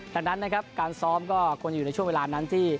ดังนั้นนะครับการซ้อมก็ควรจะอยู่ในช่วงเวลานั้นที่